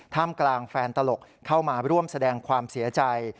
กลางแฟนตลกเข้ามาร่วมแสดงความเสียใจ